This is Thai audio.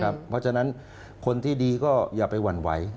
เพราะฉะนั้นคนที่ดีก็อย่าไปหวั่นไหว